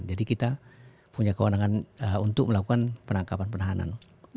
jadi kita punya kewenangan untuk melakukan penangkapan penahanan